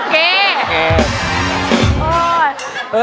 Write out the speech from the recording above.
เก่